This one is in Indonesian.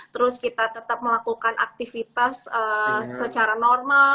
terus kita tetap melakukan aktivitas secara normal